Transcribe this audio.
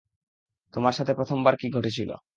তোমার সাথে প্রথমবার কি ঘটে ছিল?